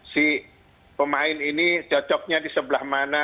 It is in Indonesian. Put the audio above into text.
si pemain ini cocoknya di sebelah mana